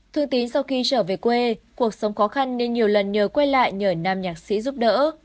thư tín sau khi trở về quê cuộc sống khó khăn nên nhiều lần nhờ quay lại nhờ nam nhạc sĩ giúp đỡ